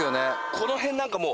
この辺なんかもう。